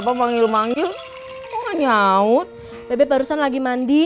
kalau badan bebep kan luas